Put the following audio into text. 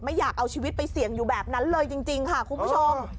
ไม่อยากเอาชีวิตไปเสี่ยงอยู่แบบนั้นเลยจริงค่ะคุณผู้ชม